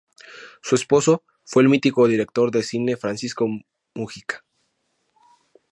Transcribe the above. Su esposo fue el mítico director de cine Francisco Mugica.